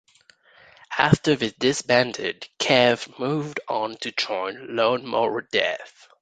After they disbanded, Kev moved on to join Lawnmower Deth.